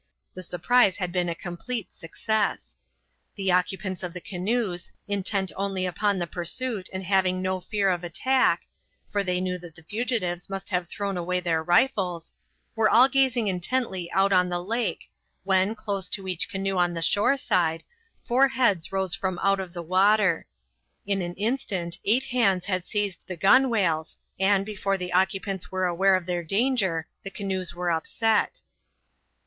The surprise had been a complete success. The occupants of the canoes, intent only upon the pursuit and having no fear of attack for they knew that the fugitives must have thrown away their rifles were all gazing intently out on the lake, when, close to each canoe on the shore side, four heads rose from out of the water. In an instant eight hands had seized the gunwales, and, before the occupants were aware of their danger, the canoes were upset.